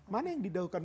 mana yang didahulukan